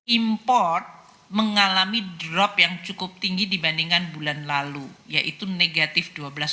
import mengalami drop yang cukup tinggi dibandingkan bulan lalu yaitu negatif dua belas